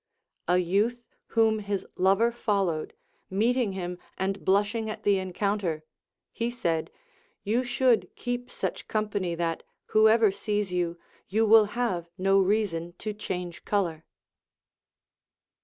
A youth Λvhom his lover followed meeting him and blushing at the en counter, he said : You should keep such company that, whoever sees you, you will ha\e no reason to change color.